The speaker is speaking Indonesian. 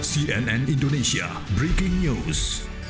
sin indonesia breaking news